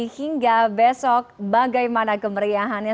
hingga besok bagaimana kemeriahannya